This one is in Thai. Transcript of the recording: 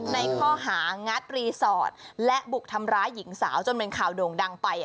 ในข้อหางัดรีสอร์ทและบุกทำร้ายหญิงสาวจนเป็นข่าวโด่งดังไป